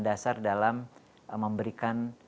dasar dalam memberikan